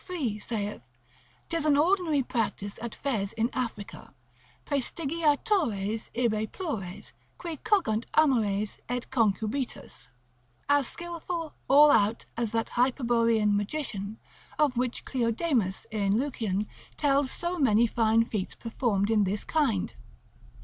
3, saith, 'tis an ordinary practice at Fez in Africa, Praestigiatores ibi plures, qui cogunt amores et concubitus: as skilful all out as that hyperborean magician, of whom Cleodemus, in Lucian, tells so many fine feats performed in this kind.